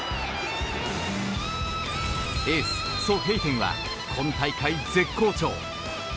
エース、ソ・ヘイテンは今大会絶好調。